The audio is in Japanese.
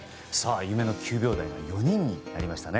夢の９秒台が４人になりましたね。